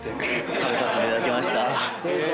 食べさせていただきました。